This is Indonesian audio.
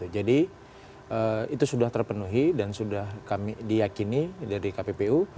itu sudah terpenuhi dan sudah kami diyakini dari kppu